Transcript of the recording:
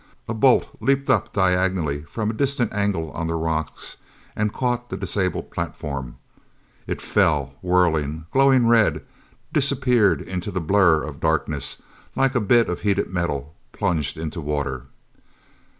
A bolt leaped up diagonally from a distant angle on the rocks and caught the disabled platform. It fell, whirling, glowing red disappeared into the blur of darkness like a bit of heated metal plunged into water.